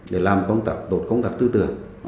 để làm công tập tốt công tập tư